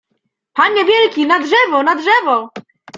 — Panie wielki, na drzewo! na drzewo!